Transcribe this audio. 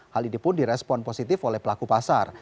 hal ini pun direspon positif oleh pelaku pasar